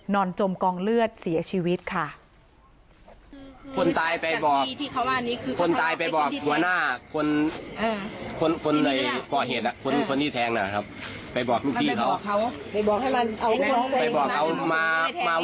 จมกองเลือดเสียชีวิตค่ะ